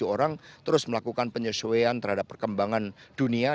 tujuh orang terus melakukan penyesuaian terhadap perkembangan dunia